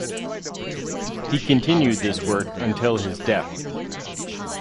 He continued this work until his death.